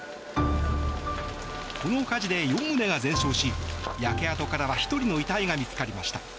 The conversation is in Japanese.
この火事で４棟が全焼し焼け跡からは１人の遺体が見つかりました。